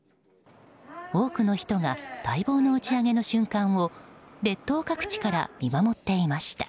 多くの人が待望の打ち上げの瞬間を列島各地から見守っていました。